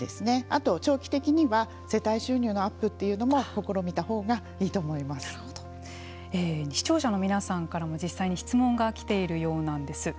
あと長期的には世帯収入のアップというのも視聴者の皆さんからも実際に質問が来ているようなんです。